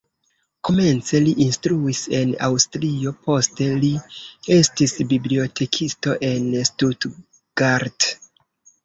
Komence li instruis en Aŭstrio, poste li estis bibliotekisto en Stuttgart.